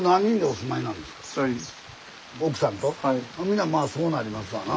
皆まあそうなりますわな。